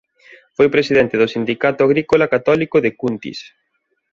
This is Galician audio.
Foi presidente do Sindicato Agrícola Católico de Cuntis.